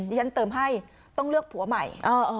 ที่ฉันเติมให้ต้องเลือกผัวใหม่